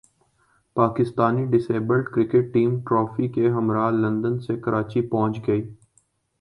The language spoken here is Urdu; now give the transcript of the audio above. Pakistani disabled cricket team trophy کے ہمراہ لندن سے کراچی پہنچ گئی